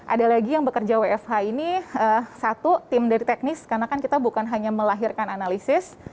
ada lagi yang bekerja wfh ini satu tim dari teknis karena kan kita bukan hanya melahirkan analisis